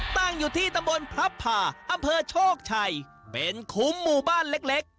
ตั้งอยู่ที่ตำบลพระผ่าอำเภอโชคชัยเป็นคุ้มหมู่บ้านเล็ก